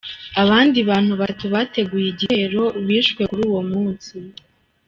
Abandi bantu batatu bateguye igitero bishwe kuri uwo munsi.